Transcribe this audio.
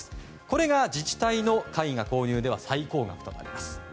これが自治体の絵画購入では最高額となります。